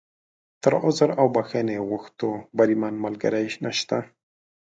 تر عذر او بښنې غوښتو، بریمن ملګری نشته.